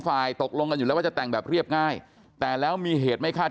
ตกลงกันอยู่แล้วว่าจะแต่งแบบเรียบง่ายแต่แล้วมีเหตุไม่คาด